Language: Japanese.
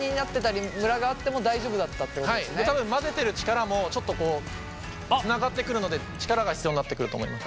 多分混ぜてる力もちょっとつながってくるので力が必要になってくると思います。